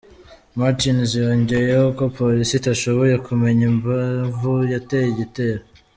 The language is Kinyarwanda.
martins yongeyeho ko polisi itashoboye kumenya impamvu yateye igitero.